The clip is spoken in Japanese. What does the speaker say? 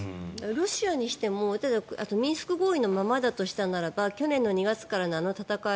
ロシアにしてもあとミンスク合意のままだとしたならば去年２月からの戦い